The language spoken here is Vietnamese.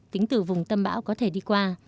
tính từ vùng tâm bão có thể đi qua